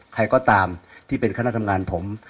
ใครก็ตามที่เป็นคณะทำงานผม